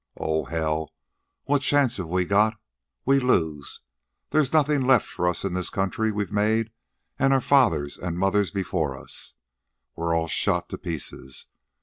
Oh, hell, what chance have we got? We lose. There's nothin' left for us in this country we've made and our fathers an' mothers before us. We're all shot to pieces.